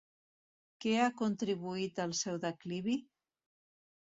Què ha contribuït al seu declivi?